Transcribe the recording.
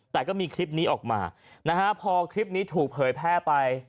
แต่ก็มีคลิปนี้ออกมานะฮะพอคลิปนี้ถูกเผยแพร่ไป